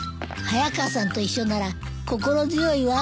早川さんと一緒なら心強いわ。